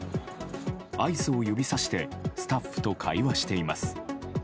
アイスを指さしてスタッフと会話しています。